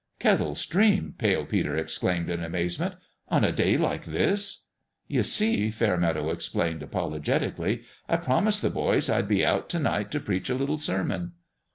"Kettle Stream!" Pale Peter exclaimed, in amazement. " On a day like this? " "You see," Fairmeadow explained, apologet ically, " I promised the boys I'd be out to night to preach a little sermon."